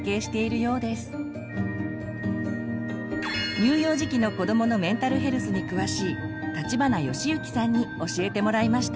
乳幼児期の子どものメンタルヘルスに詳しい立花良之さんに教えてもらいました。